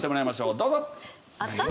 どうぞ！